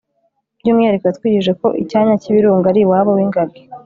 by'umwihariko yatwigishije ko icyanya cy'ibirunga ari iwabo w'ingagi